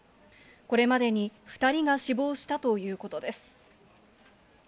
これまでに２人が死亡したということです。